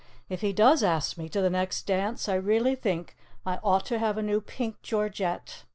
"If he does ask me to the next dance, I really think I ought to have a new pink georgette."